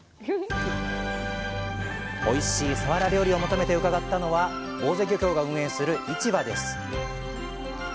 おいしいさわら料理を求めて伺ったのは坊勢漁協が運営する市場です